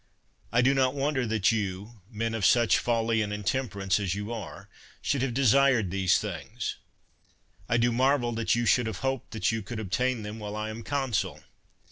I do not wonder that you, men of such folly and intemperance as you are, should have de sired these things, — I do marvel that you should 91 THE WORLD'S FAMOUS ORATIONS have hoped that you could obtain them while I am consul.